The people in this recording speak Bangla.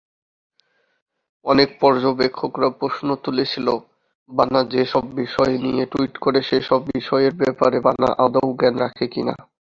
অনেক পর্যবেক্ষকরা প্রশ্ন তুলেছিল, বানা যেসব বিষয় নিয়ে টুইট করে, সেসব বিষয়ের ব্যাপারে বানা আদৌ জ্ঞান রাখে কি না।